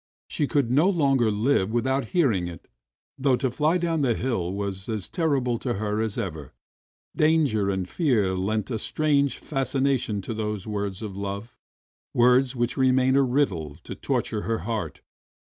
She could no longer live without hearing it ! Though to fly down the hill was as terrible to her as ever, danger and fear lent a strange fascination to those words of love, words which remained a riddle to torture her heart.